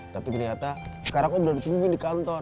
tapi ternyata sekarang kok udah ditungguin di kantor